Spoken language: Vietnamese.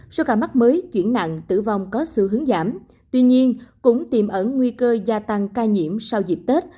sau cả mắc mới chuyển nặng tử vong có sự hướng giảm tuy nhiên cũng tiềm ẩn nguy cơ gia tăng ca nhiễm sau dịp tết